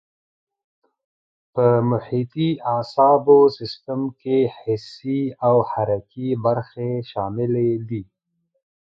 په محیطي اعصابو سیستم کې حسي او حرکي برخې شاملې دي.